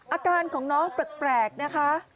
อาการของน้องแปลกนะคะ